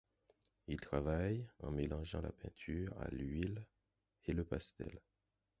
Il travaille en mélangeant la peinture à l'huile et le pastel.